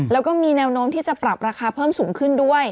แล้วก็มีแนวโน้มที่จะปรับราคาเพิ่มสูงขึ้นด้วย